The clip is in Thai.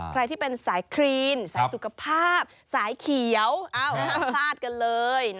ใครที่เป็นสายครีนสายสุขภาพสายเขี่ยวเอ้าครับประวัติกันเลยนะ